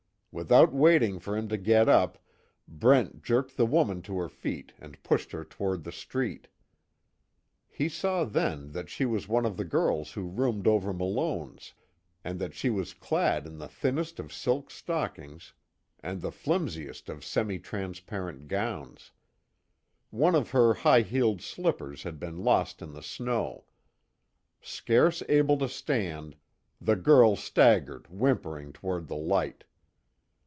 Without waiting for him to get up, Brent jerked the woman to her feet and pushed her toward the street. He saw then that she was one of the girls who roomed over Malone's, and that she was clad in the thinnest of silk stockings, and the flimsiest of semi transparent gowns. One of her high heeled slippers had been lost in the snow. Scarce able to stand, the girl staggered whimpering toward the light.